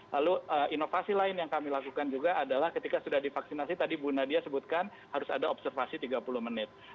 lalu inovasi lain yang kami lakukan juga adalah ketika sudah divaksinasi tadi bu nadia sebutkan harus ada observasi tiga puluh menit